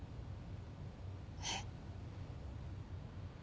えっ？